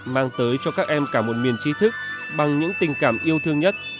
mang tới cho các em cả một miền trí thức bằng những tình cảm yêu thương nhất